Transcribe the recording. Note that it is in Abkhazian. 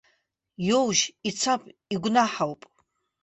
Иоужь, ицап, игәнаҳауп.